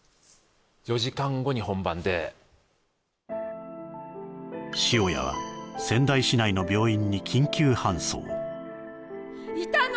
４時間後に本番で塩屋は仙台市内の病院に緊急搬送・居たの？